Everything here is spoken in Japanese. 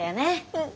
うん。